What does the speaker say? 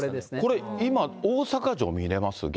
これ今、大阪城見れます？